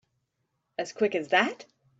As quick as that?